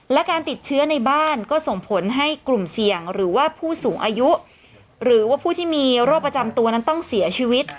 และการติดเชื้อในบ้านก็ส่งผลให้กลุ่มเสี่ยงหรือว่าผู้สูงอายุหรือว่าผู้ที่มีโรคประจำตัวนั้นต้องเสียชีวิต